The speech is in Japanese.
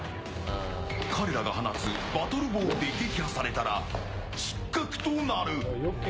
彼らが放つバトルボールで撃破されたら失格となる。